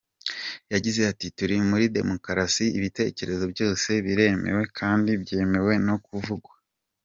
Yagize ati“Turi muri demukarasi, ibitekerezo byose biremewe kandi byemewe no kuvugwa.